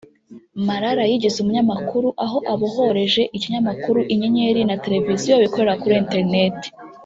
Marara yigize umunyamakuru aho abohoreje Ikinyamakuru Inyenyeri na television bikorera kuri internet